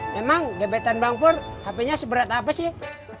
memang gebetan bangpur hpnya seberat apa sih